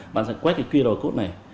bạn sẽ quét cái qr code này